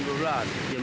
dari jam dua belas